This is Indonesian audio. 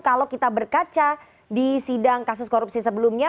kalau kita berkaca di sidang kasus korupsi sebelumnya